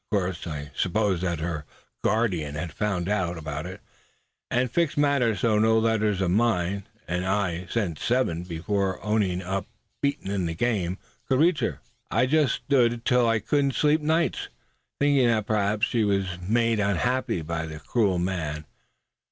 Of course I supposed that her guardian had found out about it, and fixed matters so no letter of mine and I sent seven before owning up beaten in the game could reach her. "I just stood it till I couldn't sleep nights, thinking that perhaps she was being made unhappy by that cruel man.